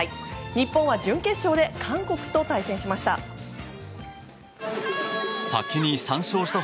日本は準決勝で韓国と対戦しました。